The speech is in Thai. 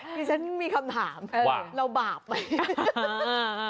ดิฉันมีคำถามเราบาปไหม